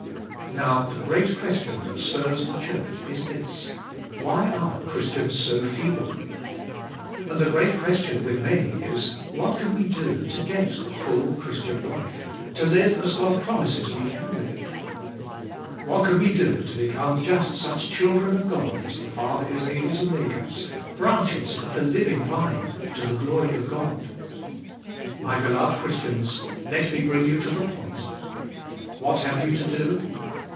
Now the great question that stirs the church is: 154 n^uibi spiRifuAt LiF^. Why are Christians so feeble ? And the great ques^ tion with many is: What can we do to get the full Christian life, to live as God promises we can live ? What can we do to become just such children of God as the Father is able to make us, branches of the Living Vine, to the glory of God. My beloved Christians, let me bring you to the point. What have you to do?